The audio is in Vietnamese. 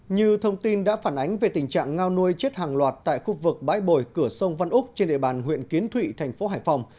như thông tin đã phản ánh về tình trạng ngao nuôi chết hàng loạt tại khu vực bãi bồi cửa sông văn úc trên địa bàn huyện kiến thụy thành phố hải phòng